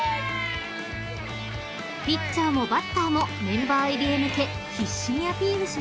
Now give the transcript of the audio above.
［ピッチャーもバッターもメンバー入りへ向け必死にアピールします］